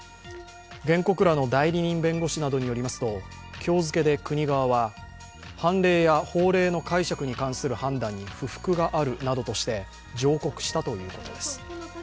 原告らの代理人弁護士などによりますと、今日付で国側は判例や法令の解釈に関する判断に不服があるなどとして上告したということです。